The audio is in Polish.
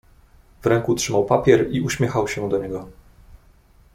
"W ręku trzymał papier i uśmiechał się do niego."